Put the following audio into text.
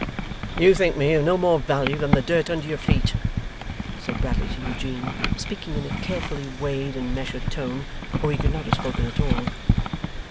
'You think me of no more value than the dirt under your feet,' said Bradley to Eugene, speaking in a carefully weighed and measured tone, or he could not have spoken at all.